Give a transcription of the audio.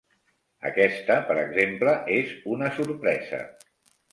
Aquesta, per exemple, és una sorpresa.